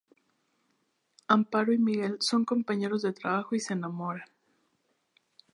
Amparo y Miguel son compañeros de trabajo y se enamoran.